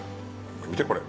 見て、これ。